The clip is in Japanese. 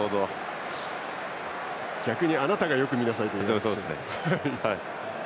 逆にあなたがよく見なさいという。